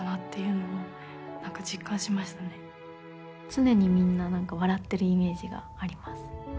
常にみんな笑ってるイメージがあります。